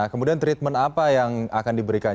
kemudian treatment apa yang akan diberikan